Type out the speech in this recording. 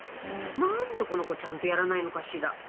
「何でこの子ちゃんとやらないのかしら？」